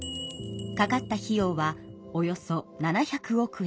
かかった費用はおよそ７００億円。